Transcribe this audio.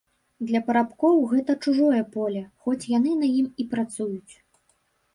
Для парабкоў гэта чужое поле, хоць яны на ім і працуюць.